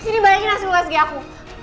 sini balikin langsung ke segi aku